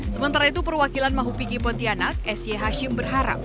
sementara itu perwakilan mahupigi pontianak s y hashim berharap